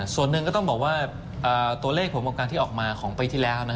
ส่วนหนึ่งก็ต้องบอกว่าตัวเลขผลวงการที่ออกมาของปีที่แล้ว